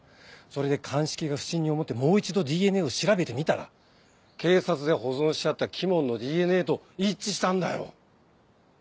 それで鑑識が不審に思ってもう一度ＤＮＡを調べてみたら警察で保存してあった鬼門のＤＮＡと一致したんだよ！